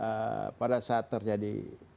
ya memang pada saat terjadi krisis